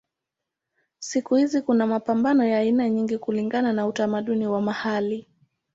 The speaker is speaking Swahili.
Siku hizi kuna mapambo ya aina nyingi kulingana na utamaduni wa mahali.